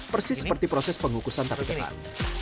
persis seperti proses pengukusan tapi ketat